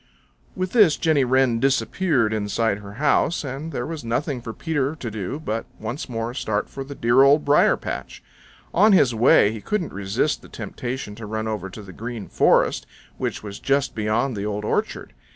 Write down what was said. With this Jenny Wren disappeared inside her house, and there was nothing for Peter to do but once more start for the dear Old Briar patch. On his way he couldn't resist the temptation to run over to the Green Forest, which was just beyond the Old Orchard.